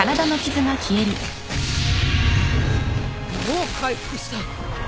もう回復した！？